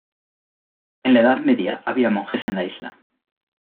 En la edad media había monjes en la isla.